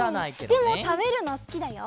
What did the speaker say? でもたべるのすきだよ。